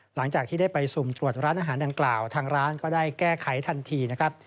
หลังจากที่ได้ไปสุ่มตรวจร้านอาหารดังกล่าวทางร้านก็ได้แก้ไขทันทีนะครับ